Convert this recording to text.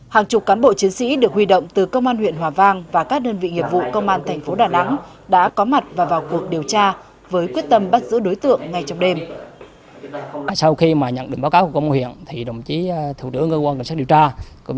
hàng chục cán bộ chiến sĩ được huy động từ công an huyện hòa vang và các đơn vị nghiệp vụ công an thành phố đà nẵng đã có mặt và vào cuộc điều tra với quyết tâm bắt giữ đối tượng ngay trong đêm